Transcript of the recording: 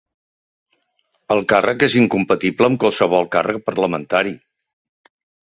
El càrrec és incompatible amb qualsevol càrrec parlamentari.